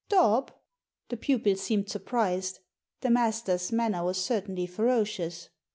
Daub?" The pupil seemed surprised. The master's manner was certainly ferocious.